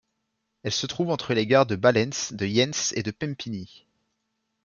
Elle se trouve entre les gares de Ballens, de Yens et de Pampigny.